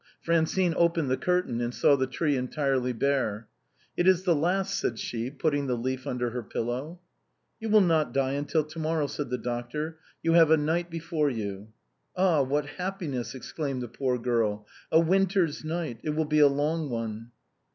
Francine opened the curtain, and saw the tree entirely bare. " It is the last," said she, putting the leaf under her pillow. " You will not die till to morrow," said the doctor ;" you have a night before you." francine's muff. 233 "Ah ! what happiness," exclaimed the poor girl ; "a win ter's night — it will be a long one."